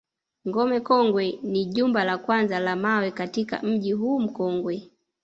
Ngome Kongwe ni jumba la kwanza la mawe katika mji huu mkongwe